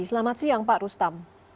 selamat siang pak rustam